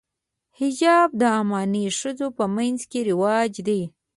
حجاب د عماني ښځو په منځ کې رواج دی.